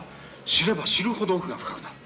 知れば知るほど奥が深くなる。